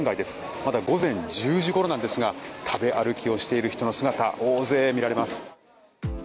まだ午前１０時ごろなんですが食べ歩きをしている人の姿大勢見られます。